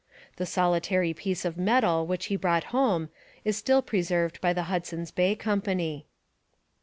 The solitary piece of metal which he brought home is still preserved by the Hudson's Bay Company.